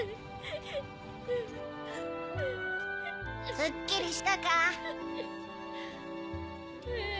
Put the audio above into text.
すっきりしたか？え？